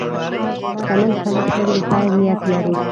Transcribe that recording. شتمن خلک تل د خیر نیت لري.